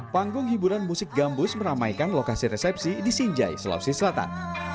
panggung hiburan musik gambus meramaikan lokasi resepsi di sinjai sulawesi selatan